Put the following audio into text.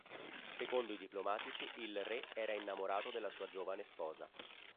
Secondo i diplomatici, il re era innamorato della sua giovane sposa.